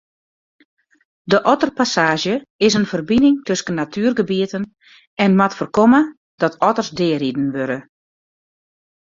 De otterpassaazje is in ferbining tusken natuergebieten en moat foarkomme dat otters deariden wurde.